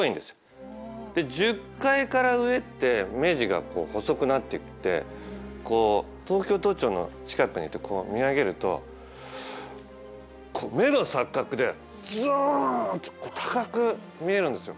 １０階から上ってメジが細くなっていってこう東京都庁の近くに行って見上げると目の錯覚でズンと高く見えるんですよ。